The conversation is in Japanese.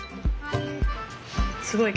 すごい！